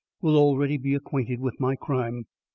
will already be acquainted with my crime.